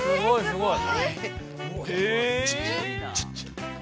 すごい！